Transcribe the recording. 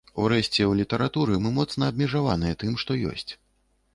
Урэшце, у літаратуры мы моцна абмежаваныя тым, што ёсць.